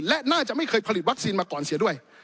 และน่าจะไม่เคยผลิตวัคซีนมาก่อนเสียด้วย